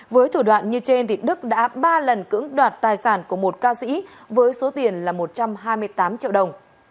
với thủ đoạn như trên đức đã ba lần cưỡng đoạt tài sản của một ca sĩ với số tiền là một trăm hai mươi tám triệu đồng